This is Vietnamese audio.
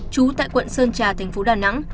chú tại quận sơn trà tp đà nẵng